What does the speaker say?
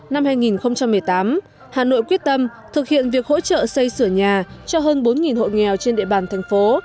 năm hai nghìn một mươi tám hà nội quyết tâm thực hiện việc hỗ trợ xây sửa nhà cho hơn bốn hộ nghèo trên địa bàn thành phố